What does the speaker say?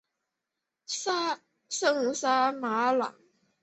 圣沙马朗。